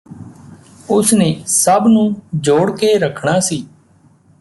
ਉਸੇ ਨੇ ਸਭ ਨੂੰ ਜੋੜ ਕੇ ਰੱਖਣਾ ਸੀ